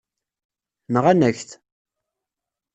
Nɣan-ak-t.